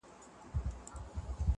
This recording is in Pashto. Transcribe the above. د دښمن په جال کي ګیر سوي دي